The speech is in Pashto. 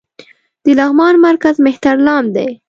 د لغمان مرکز مهترلام دى